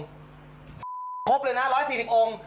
สี่สิบองค์เลยนะร้อยสี่สิบองค์